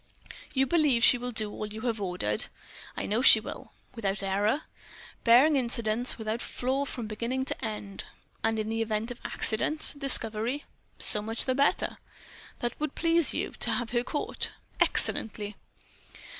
"You believe she will do all you have ordered?" "I know she will." "Without error?" "Barring accidents, without flaw from beginning to end." "And in event of accidents—discovery—?" "So much the better." "That would please you, to have her caught?" "Excellently."